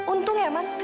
untung ya man